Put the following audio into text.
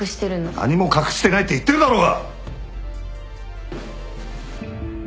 何も隠してないって言ってるだろうが！